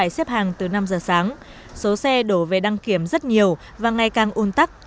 xếp hàng từ năm giờ sáng số xe đổ về đăng kiểm rất nhiều và ngày càng un tắc